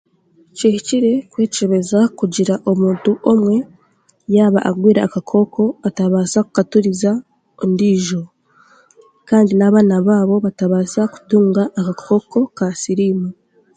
Kihikire kuhikiriza kugira omuntu omwe, yaaba arwaire akakooko ngu atabaasa kukaturiza ondiijo. Kandi n'abaana baabo nabo batabaasa kutunga akakooko ka siriimu.